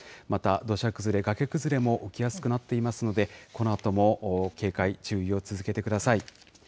また土砂崩れ、崖崩れも起きやすくなっていますので、このあとも警戒、注意を続けてください。